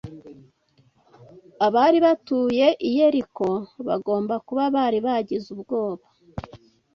Abari batuye i Yeriko bagomba kuba bari bagize ubwoba.